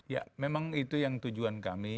ya memang itu yang tujuan kami